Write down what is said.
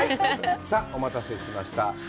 さあお待たせしました。